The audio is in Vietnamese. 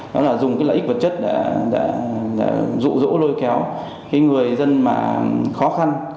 đó là dùng cái lợi ích vật chất để rụ rỗ lôi kéo cái người dân mà khó khăn